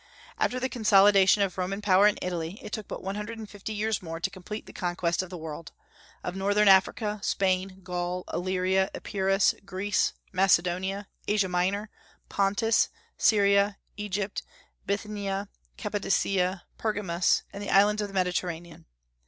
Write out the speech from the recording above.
After the consolidation of Roman power in Italy, it took but one hundred and fifty years more to complete the conquest of the world, of Northern Africa, Spain, Gaul, Illyria, Epirus, Greece, Macedonia, Asia Minor, Pontus, Syria, Egypt, Bithynia, Cappadocia, Pergamus, and the islands of the Mediterranean.